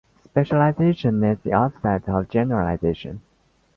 Specialisation is the opposite of generalisation.